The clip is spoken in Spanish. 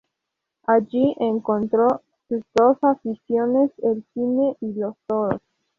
Allí encontró sus dos aficiones, el cine y los toros.